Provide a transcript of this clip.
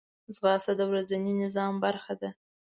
ځغاسته د ورځني نظام برخه ده